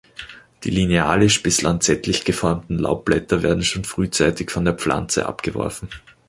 Die linealisch bis lanzettlich geformten Laubblätter werden schon frühzeitig von der Pflanze abgeworfen.